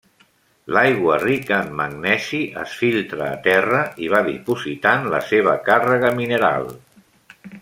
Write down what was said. L'aigua rica en magnesi es filtra a terra i va dipositant la seva càrrega mineral.